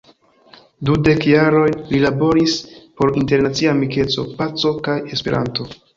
Dudek jarojn li laboris por internacia amikeco, paco kaj Esperanto.